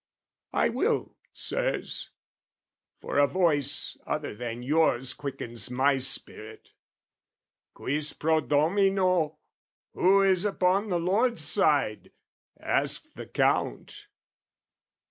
I will, Sirs: for a voice other than yours Quickens my spirit. "Quis pro Domino? "Who is upon the Lord's side?" asked the Count.